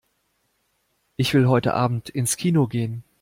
Ich will heute Abend ins Kino gehen.